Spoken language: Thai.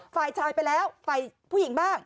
ฝ่ายชายไปแล้วฝ่ายผู้หญิงบ้าง